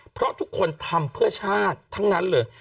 เพราะทุกคนทำเพื่อชาติทั้งนั้นเลย